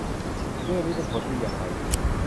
เรื่องนี้เป็นผลดีอย่างไร